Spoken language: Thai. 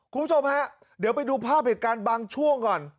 คุณผู้ชมฮะเดี๋ยวไปดูภาพเหตุการณ์บางช่วงก่อน